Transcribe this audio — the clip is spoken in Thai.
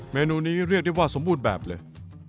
เมนูนี้เรียกได้ว่าสมบูรณ์แบบเลย